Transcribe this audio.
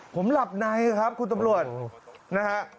ผมหลับในครับคุณตำรวจนะฮะ